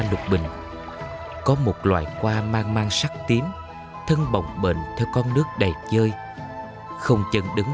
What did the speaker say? lục bình có một loại qua mang mang sắc tím thân bồng bệnh theo con nước đầy chơi không chận đứng